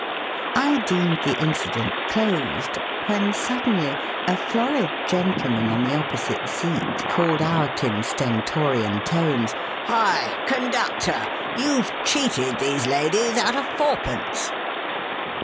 I deemed the incident closed, when suddenly a florid gentleman on the opposite seat called out in stentorian tones: "Hi, conductor! you've cheated these ladies out of fourpence."